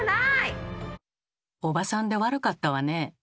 「おばさんで悪かったわね」。